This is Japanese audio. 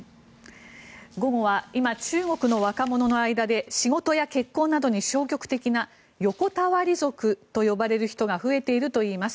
午後は今中国の若者の間で仕事や結婚などに消極的な横たわり族と呼ばれる方が増えているといいます。